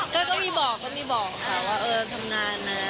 ก็มีบอกก็มีบอกค่ะว่าเออทำนานนะ